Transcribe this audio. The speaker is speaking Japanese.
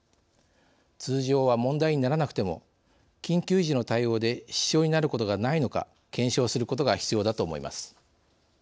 通常は問題にならなくても緊急時の対応で支障になることがないのか検証することが必要だと思います。